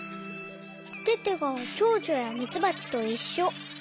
テテがチョウチョやミツバチといっしょ。